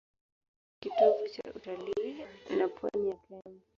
Mombasa ni kitovu cha utalii wa pwani ya Kenya.